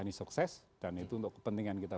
ini sukses dan itu untuk kepentingan kita